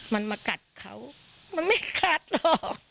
มันมากัดเขามันไม่คาดหรอก